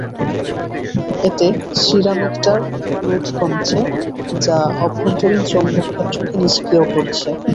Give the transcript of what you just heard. এতে সিরামিকটার রোধ কমছে, যা অভ্যন্তরীণ চৌম্বকক্ষেত্রকে নিষ্ক্রিয় করছে।